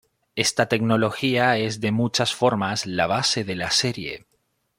Esta tecnología es de muchas formas la base de la serie.